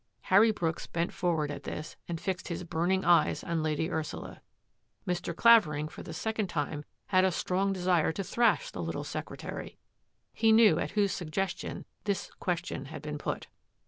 " Harry Brooks bent forward at this and fixed his burning eyes on Lady Ursula. Mr. Clavering for the second time had a strong desire to thrash the little secretary. He knew at whose suggestion this question had been put.